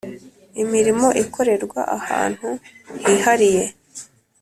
imirimo ikorerwa ahantu hihariye